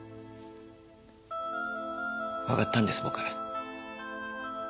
わかったんです僕。